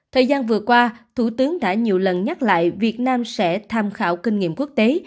thời gian vừa qua thủ tướng đã nhiều lần nhắc lại việt nam sẽ tham khảo kinh nghiệm quốc tế